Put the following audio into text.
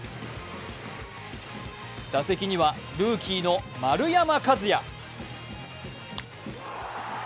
打席にはルーキーの丸山和郁。